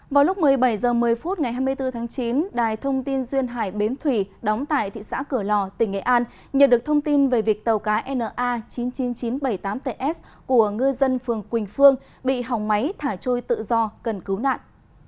vào lúc một mươi bảy h một mươi phút ngày hai mươi bốn tháng chín đài thông tin duyên hải bến thủy đóng tại thị xã cửa lò tỉnh nghệ an nhận được thông tin về việc tàu cá na chín mươi chín nghìn chín trăm bảy mươi tám ts của ngư dân phường quỳnh phương bị hỏng máy thả trôi tự do cần cứu nạn